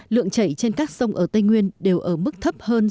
lượng chảy trên các sông ở tây nguyên đều ở mức thấp hơn